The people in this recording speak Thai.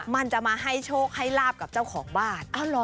มันจะมาให้โชคให้ลาบกับเจ้าของบ้าน